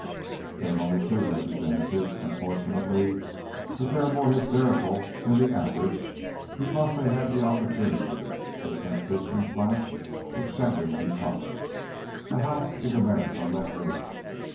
"They are only too representative, unfortunately, but they are more hysterical than the average because they have the opportunity their constituents lack, of shouting in public. The House is America let loose.